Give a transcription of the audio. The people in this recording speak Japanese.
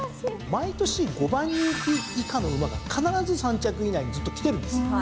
毎年５番人気以下の馬が必ず３着以内にずっときてるんです。